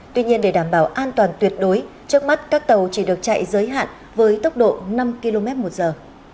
tuy nhiên để đảm bảo an toàn tuyệt đối trước mắt các tàu chỉ được chạy giới hạn với tốc độ năm km một giờ